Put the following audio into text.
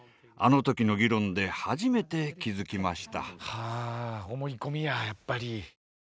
はあ思い込みややっぱり。